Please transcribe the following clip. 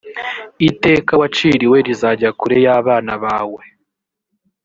iteka waciriwe rizajya kure y abana bawe